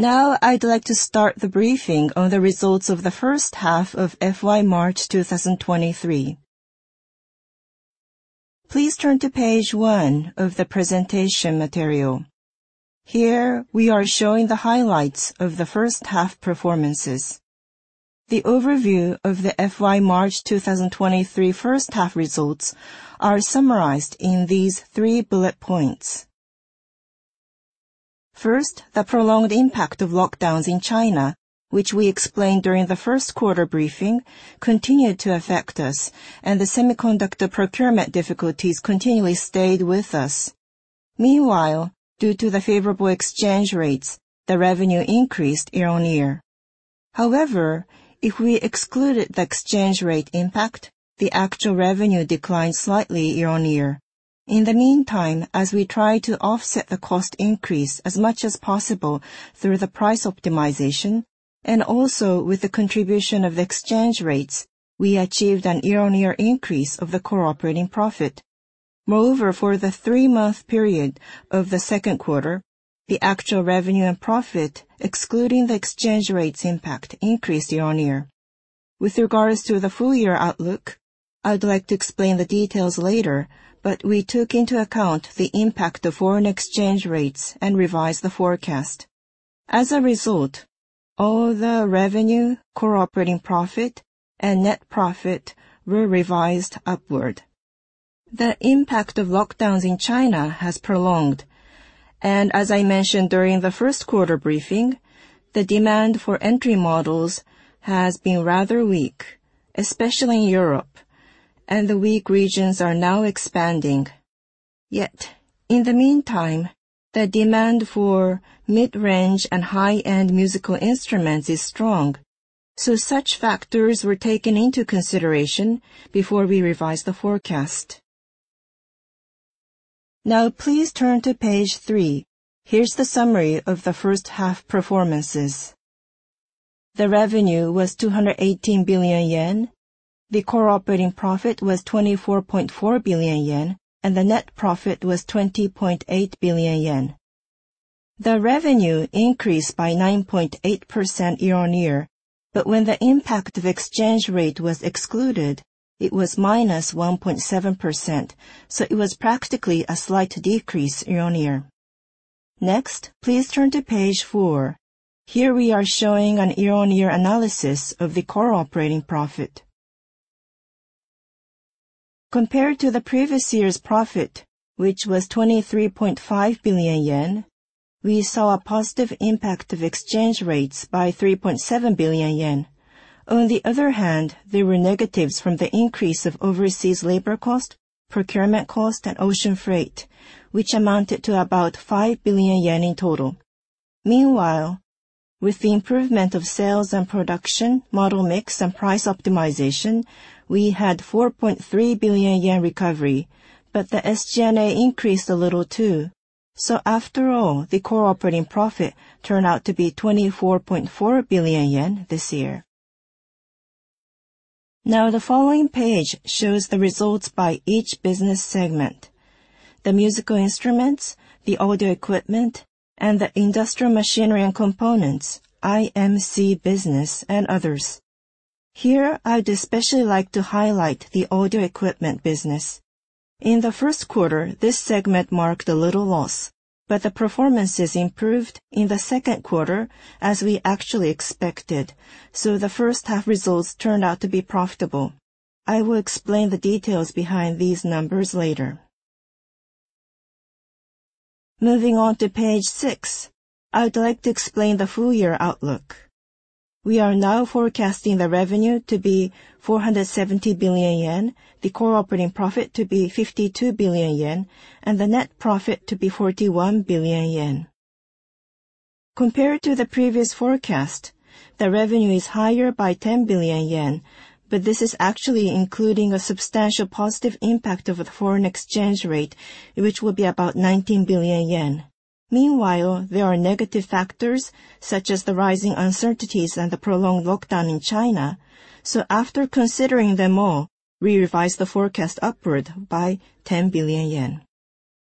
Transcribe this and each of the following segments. Now I'd like to start the briefing on the results of the first half of FY March 2023. Please turn to page one of the presentation material. Here, we are showing the highlights of the first half performances. The overview of the FY March 2023 first half results are summarized in these three bullet points. First, the prolonged impact of lockdowns in China, which we explained during the first quarter briefing, continued to affect us, and the semiconductor procurement difficulties continually stayed with us. Meanwhile, due to the favorable exchange rates, the revenue increased year-on-year. However, if we excluded the exchange rate impact, the actual revenue declined slightly year-on-year. In the meantime, as we try to offset the cost increase as much as possible through the price optimization and also with the contribution of exchange rates, we achieved a year-on-year increase of the core operating profit. Moreover, for the three-month period of the second quarter, the actual revenue and profit, excluding the exchange rates impact, increased year-on-year. With regards to the full year outlook, I would like to explain the details later, but we took into account the impact of foreign exchange rates and revised the forecast. As a result, all the revenue, core operating profit, and net profit were revised upward. The impact of lockdowns in China has prolonged, and as I mentioned during the first quarter briefing, the demand for entry models has been rather weak, especially in Europe, and the weak regions are now expanding. Yet, in the meantime, the demand for mid-range and high-end musical instruments is strong. Such factors were taken into consideration before we revised the forecast. Now please turn to page three. Here's the summary of the first half performance. The revenue was 218 billion yen. The core operating profit was 24.4 billion yen, and the net profit was 20.8 billion yen. The revenue increased by 9.8% year-on-year, but when the impact of exchange rate was excluded, it was -1.7%, so it was practically a slight decrease year-on-year. Next, please turn to page four. Here we are showing a year-on-year analysis of the core operating profit. Compared to the previous year's profit, which was 23.5 billion yen, we saw a positive impact of exchange rates by 3.7 billion yen. On the other hand, there were negatives from the increase of overseas labor cost, procurement cost, and ocean freight, which amounted to about 5 billion yen in total. Meanwhile, with the improvement of sales and production, model mix, and price optimization, we had 4.3 billion yen recovery, but the SG&A increased a little too. After all, the core-operating profit turned out to be 24.4 billion yen this year. Now the following page shows the results by each business segment. The Musical Instruments, the Audio Equipment, and the Industrial Machinery and Components, IMC business, and others. Here, I'd especially like to highlight the Audio Equipment business. In the first quarter, this segment marked a little loss, but the performances improved in the second quarter as we actually expected. The first half results turned out to be profitable. I will explain the details behind these numbers later. Moving on to page six, I would like to explain the full year outlook. We are now forecasting the revenue to be 470 billion yen, the core operating profit to be 52 billion yen, and the net profit to be 41 billion yen. Compared to the previous forecast, the revenue is higher by 10 billion yen, but this is actually including a substantial positive impact of the foreign exchange rate, which will be about 19 billion yen. Meanwhile, there are negative factors such as the rising uncertainties and the prolonged lockdown in China, so after considering them all, we revised the forecast upward by 10 billion yen.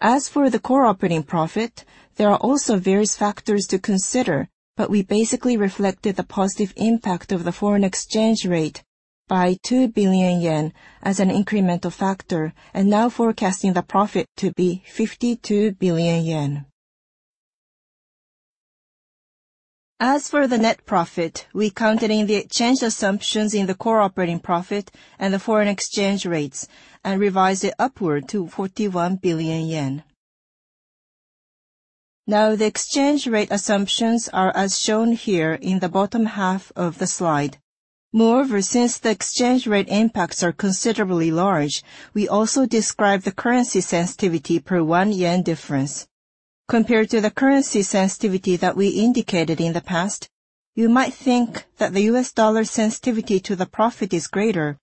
As for the core operating profit, there are also various factors to consider, but we basically reflected the positive impact of the foreign exchange rate by 2 billion yen as an incremental factor and now forecasting the profit to be 52 billion yen. As for the net profit, we counted in the exchange assumptions in the core operating profit and the foreign exchange rates and revised it upward to 41 billion yen. Now, the exchange rate assumptions are as shown here in the bottom half of the slide. Moreover, since the exchange rate impacts are considerably large, we also describe the currency sensitivity per one yen difference. Compared to the currency sensitivity that we indicated in the past, you might think that the U.S. dollar sensitivity to the profit is greater,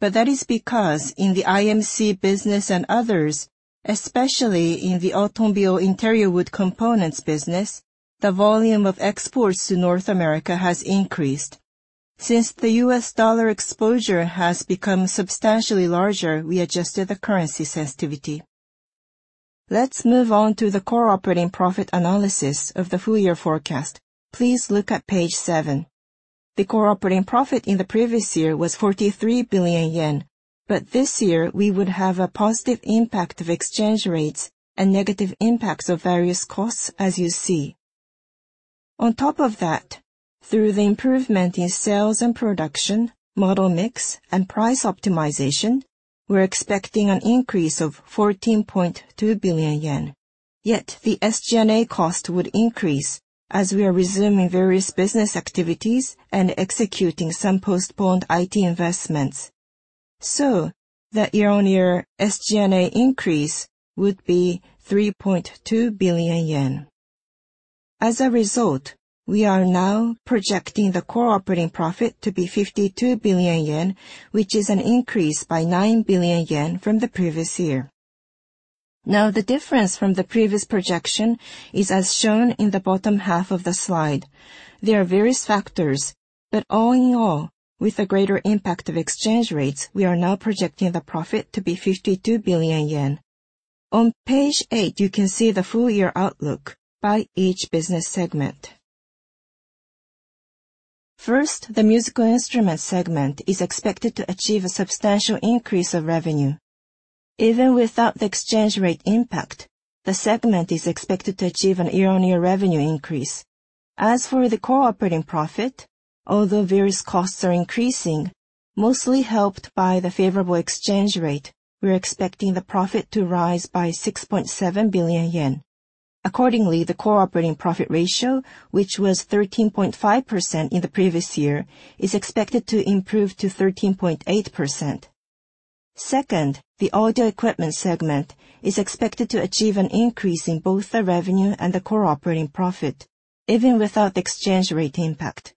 but that is because in the IMC business and others, especially in the automobile interior wood components business, the volume of exports to North America has increased. Since the U.S. dollar exposure has become substantially larger, we adjusted the currency sensitivity. Let's move on to the core operating profit analysis of the full year forecast. Please look at page seven. The core operating profit in the previous year was 43 billion yen, but this year we would have a positive impact of exchange rates and negative impacts of various costs as you see. On top of that, through the improvement in sales and production, model mix, and price optimization, we're expecting an increase of 14.2 billion yen. Yet the SG&A cost would increase as we are resuming various business activities and executing some postponed IT investments. The year-on-year SG&A increase would be 3.2 billion yen. As a result, we are now projecting the core operating profit to be 52 billion yen, which is an increase by 9 billion yen from the previous year. Now, the difference from the previous projection is as shown in the bottom half of the slide. There are various factors, but all in all, with a greater impact of exchange rates, we are now projecting the profit to be 52 billion yen. On page eigth, you can see the full year outlook by each business segment. First, the musical instruments segment is expected to achieve a substantial increase of revenue. Even without the exchange rate impact, the segment is expected to achieve a year-on-year revenue increase. As for the core operating profit, although various costs are increasing, mostly helped by the favorable exchange rate, we're expecting the profit to rise by 6.7 billion yen. Accordingly, the core operating profit ratio, which was 13.5% in the previous year, is expected to improve to 13.8%. Second, the audio equipment segment is expected to achieve an increase in both the revenue and the core operating profit even without the exchange rate impact.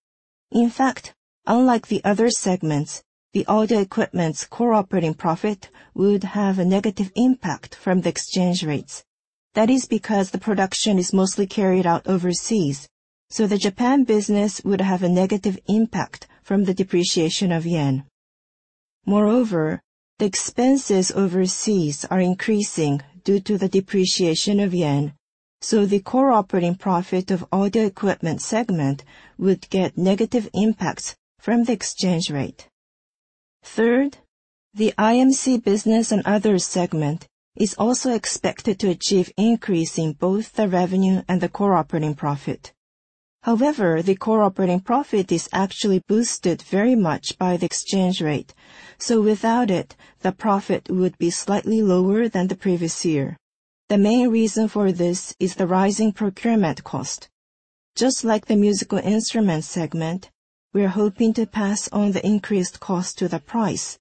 In fact, unlike the other segments, the audio equipment's core operating profit would have a negative impact from the exchange rates. That is because the production is mostly carried out overseas, so the Japan business would have a negative impact from the depreciation of yen. Moreover, the expenses overseas are increasing due to the depreciation of yen, so the core operating profit of audio equipment segment would get negative impacts from the exchange rate. Third, the IMC business and others segment is also expected to achieve increase in both the revenue and the core operating profit. However, the core operating profit is actually boosted very much by the exchange rate, so without it, the profit would be slightly lower than the previous year. The main reason for this is the rising procurement cost. Just like the musical instruments segment, we are hoping to pass on the increased cost to the price,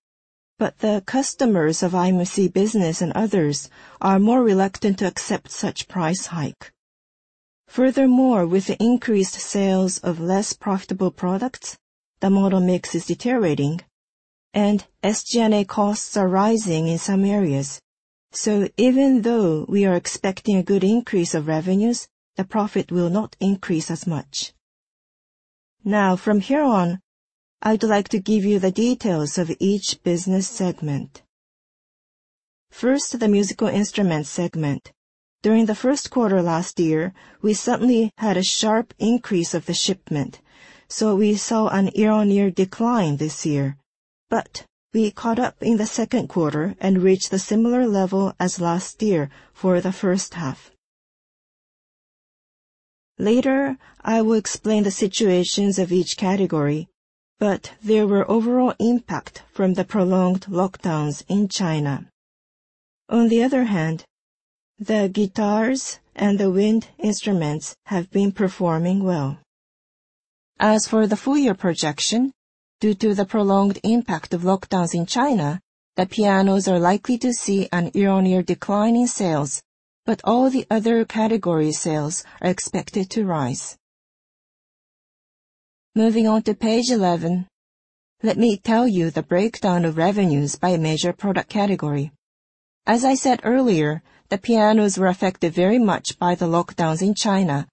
but the customers of IMC business and others are more reluctant to accept such price hike. Furthermore, with the increased sales of less profitable products, the model mix is deteriorating and SG&A costs are rising in some areas. So even though we are expecting a good increase of revenues, the profit will not increase as much. Now from here on, I would like to give you the details of each business segment. First, the musical instruments segment. During the first quarter last year, we suddenly had a sharp increase of the shipment, so we saw a year-on-year decline this year. We caught up in the second quarter and reached a similar level as last year for the first half. Later, I will explain the situations of each category, but there were overall impact from the prolonged lockdowns in China. On the other hand, the guitars and the wind instruments have been performing well. As for the full year projection, due to the prolonged impact of lockdowns in China, the pianos are likely to see a year-on-year decline in sales, but all the other category sales are expected to rise. Moving on to page 11. Let me tell you the breakdown of revenues by major product category. As I said earlier, the pianos were affected very much by the lockdowns in China,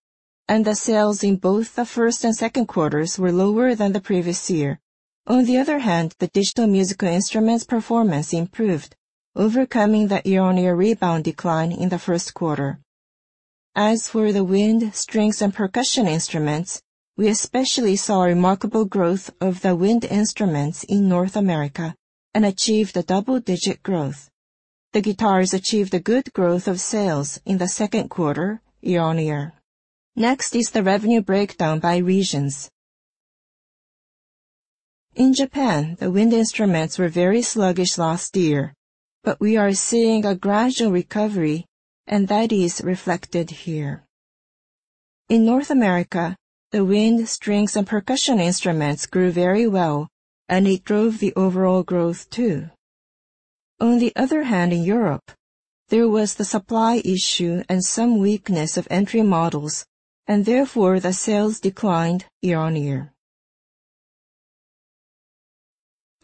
and the sales in both the first and second quarters were lower than the previous year. On the other hand, the digital musical instruments performance improved, overcoming the year-on-year rebound decline in the first quarter. As for the wind, strings, and percussion instruments, we especially saw remarkable growth of the wind instruments in North America and achieved a double-digit growth. The guitars achieved a good growth of sales in the second quarter year-on-year. Next is the revenue breakdown by regions. In Japan, the wind instruments were very sluggish last year, but we are seeing a gradual recovery, and that is reflected here. In North America, the wind, strings, and percussion instruments grew very well, and it drove the overall growth too. On the other hand, in Europe, there was the supply issue and some weakness of entry models, and therefore the sales declined year-on-year.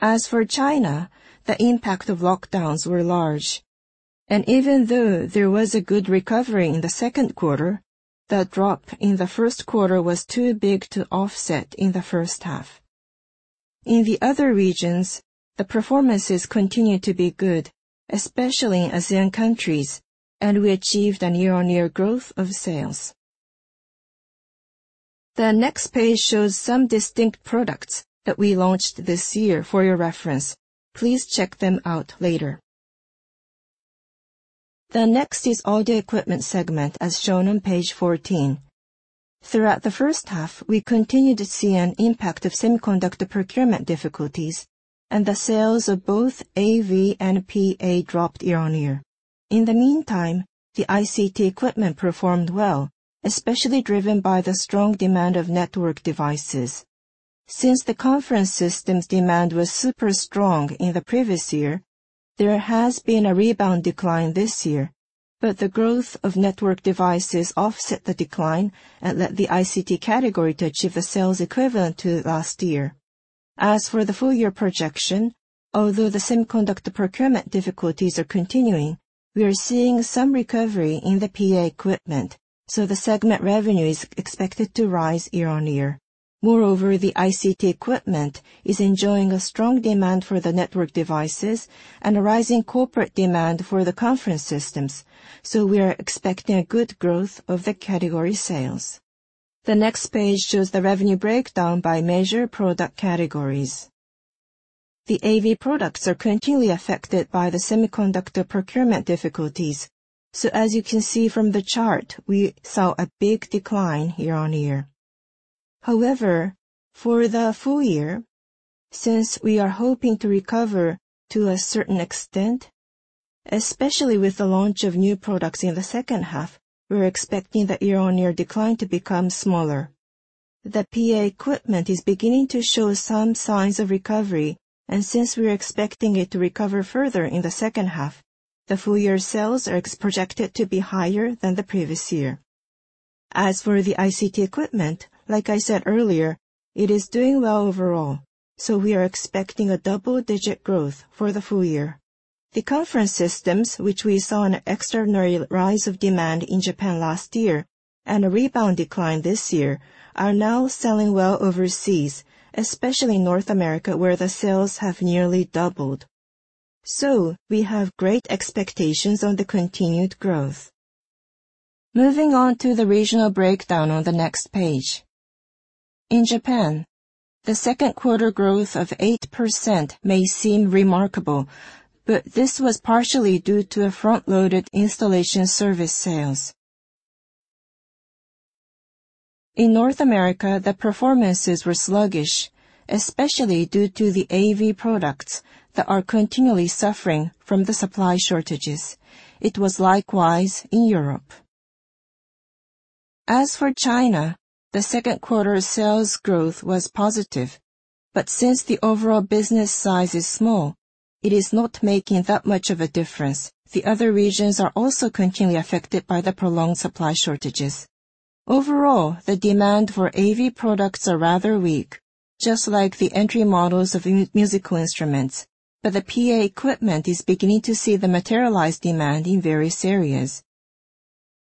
As for China, the impact of lockdowns were large, and even though there was a good recovery in the second quarter, the drop in the first quarter was too big to offset in the first half. In the other regions, the performances continued to be good, especially in Asian countries, and we achieved a year-on-year growth of sales. The next page shows some distinct products that we launched this year for your reference. Please check them out later. The next is Audio Equipment segment as shown on page 14. Throughout the first half, we continued to see an impact of semiconductor procurement difficulties and the sales of both AV and PA dropped year-on-year. In the meantime, the ICT equipment performed well, especially driven by the strong demand of network devices. Since the conference system's demand was super strong in the previous year, there has been a rebound decline this year. The growth of network devices offset the decline and led the ICT category to achieve a sales equivalent to last year. As for the full year projection, although the semiconductor procurement difficulties are continuing, we are seeing some recovery in the PA equipment, so the segment revenue is expected to rise year-on-year. Moreover, the ICT equipment is enjoying a strong demand for the network devices and a rising corporate demand for the conference systems. We are expecting a good growth of the category sales. The next page shows the revenue breakdown by major product categories. The AV products are continually affected by the semiconductor procurement difficulties. As you can see from the chart, we saw a big decline year-on-year. However, for the full year, since we are hoping to recover to a certain extent, especially with the launch of new products in the second half, we're expecting the year-on-year decline to become smaller. The PA equipment is beginning to show some signs of recovery, and since we are expecting it to recover further in the second half, the full year sales are projected to be higher than the previous year. As for the ICT equipment, like I said earlier, it is doing well overall, so we are expecting a double-digit growth for the full year. The conference systems, which we saw an extraordinary rise of demand in Japan last year and a rebound decline this year, are now selling well overseas, especially in North America, where the sales have nearly doubled. We have great expectations on the continued growth. Moving on to the regional breakdown on the next page. In Japan, the second quarter growth of 8% may seem remarkable, but this was partially due to a front-loaded installation service sales. In North America, the performances were sluggish, especially due to the AV products that are continually suffering from the supply shortages. It was likewise in Europe. As for China, the second quarter sales growth was positive, but since the overall business size is small, it is not making that much of a difference. The other regions are also continually affected by the prolonged supply shortages. Overall, the demand for AV products are rather weak, just like the entry models of musical instruments. The PA equipment is beginning to see the materialized demand in various areas.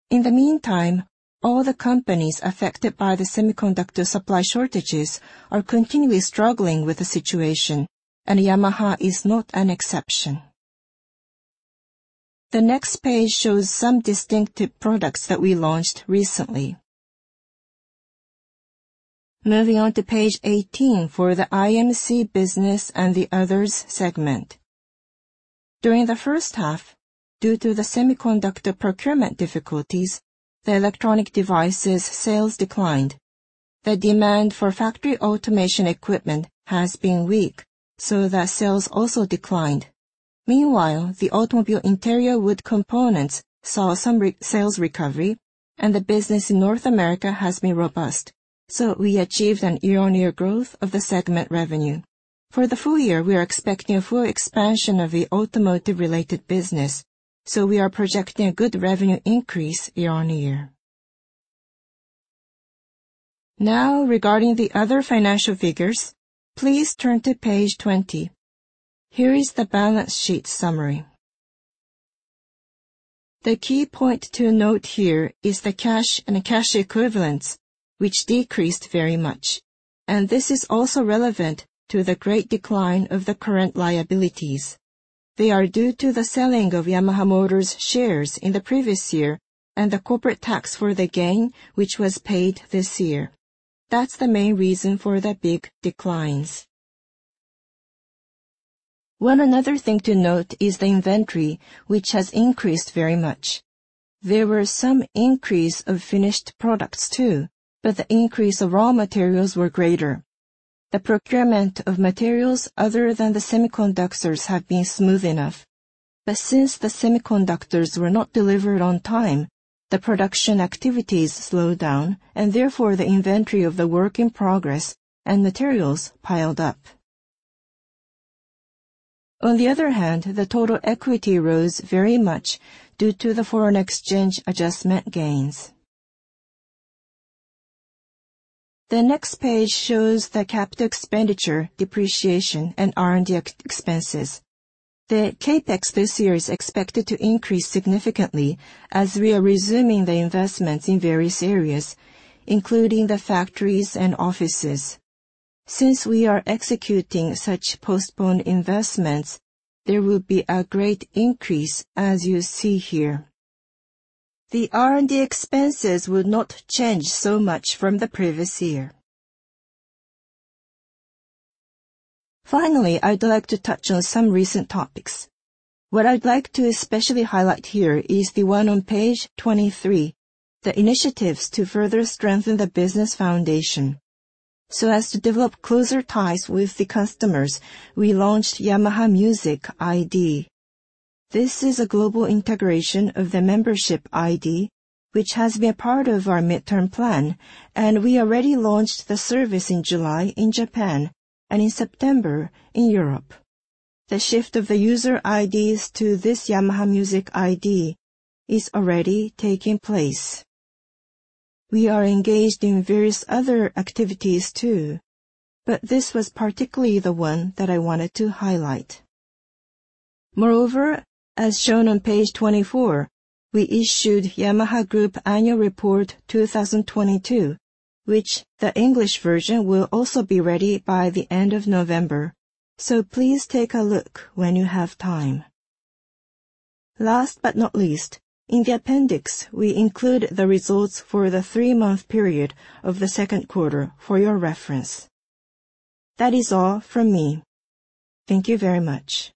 In the meantime, all the companies affected by the semiconductor supply shortages are continually struggling with the situation, and Yamaha is not an exception. The next page shows some distinctive products that we launched recently. Moving on to page 18 for the IMC Business and the Others segment. During the first half, due to the semiconductor procurement difficulties, the electronic devices sales declined. The demand for factory automation equipment has been weak so that sales also declined. Meanwhile, the automobile interior wood components saw some sales recovery and the business in North America has been robust. We achieved a year-on-year growth of the segment revenue. For the full year, we are expecting a full expansion of the automotive related business, so we are projecting a good revenue increase year-on-year. Now, regarding the other financial figures, please turn to page 20. Here is the balance sheet summary. The key point to note here is the cash and cash equivalents, which decreased very much. This is also relevant to the great decline of the current liabilities. They are due to the selling of Yamaha Motor's shares in the previous year and the corporate tax for the gain, which was paid this year. That's the main reason for the big declines. One another thing to note is the inventory, which has increased very much. There were some increase of finished products too, but the increase of raw materials were greater. The procurement of materials other than the semiconductors have been smooth enough. But since the semiconductors were not delivered on time, the production activities slowed down and therefore the inventory of the work in progress and materials piled up. On the other hand, the total equity rose very much due to the foreign exchange adjustment gains. The next page shows the capital expenditure, depreciation, and R&D expenses. The CapEx this year is expected to increase significantly as we are resuming the investments in various areas, including the factories and offices. Since we are executing such postponed investments, there will be a great increase as you see here. The R&D expenses will not change so much from the previous year. Finally, I'd like to touch on some recent topics. What I'd like to especially highlight here is the one on page 23, the initiatives to further strengthen the business foundation. As to develop closer ties with the customers, we launched Yamaha Music ID. This is a global integration of the membership ID, which has been part of our midterm plan, and we already launched the service in July in Japan and in September in Europe. The shift of the user IDs to this Yamaha Music ID is already taking place. We are engaged in various other activities too, but this was particularly the one that I wanted to highlight. Moreover, as shown on page 24, we issued Yamaha Group Annual Report 2022, which the English version will also be ready by the end of November, so please take a look when you have time. Last but not least, in the appendix, we include the results for the three-month period of the second quarter for your reference. That is all from me. Thank you very much.